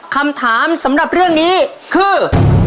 คำถามสำหรับเรื่องนี้คือ